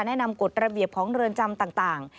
แนะนำกฎระเบียบของเรือนจำต่าง